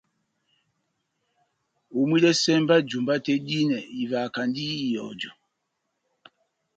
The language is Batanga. Homwidɛsɛ mba jumba tɛ́h dihinɛ ivahakandi ihɔjɔ.